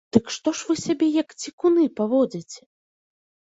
Дык што ж вы сябе, як дзікуны паводзіце?